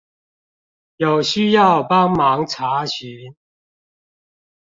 有需要幫忙查詢